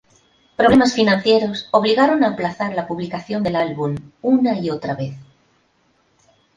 Problemas financieros obligaron a aplazar la publicación del álbum una y otra vez.